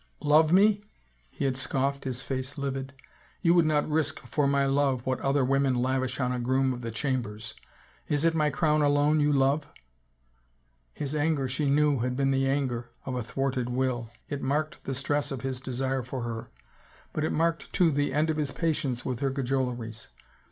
" Love me ?" he had scoffed, his face livid. " You would not risk for my love what other women lavish on a groom of the chambers ... is it my crown alone you love ?" His anger, she knew, had been the anger of a thwarted will; it marked the stress of his desire for her, but it marked, too, the end of his patience with her cajoleries.